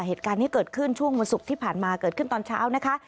เหตุการณ์นี้เกิดขึ้นช่วงวันศุกร์ที่ผ่านมาเกิดขึ้นตอนเช้านะคะ